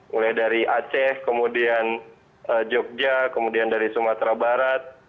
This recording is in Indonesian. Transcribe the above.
mulai dari aceh kemudian jogja kemudian dari sumatera barat